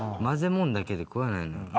混ぜもんだけで食わないのよ。